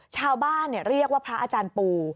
ชาวบ้านเรียกว่าพระอาจารย์ปู